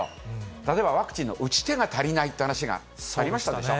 例えばワクチンの打ち手が足りないって話がありましたでしょ。